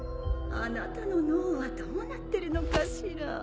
あなたの脳はどうなってるのかしら？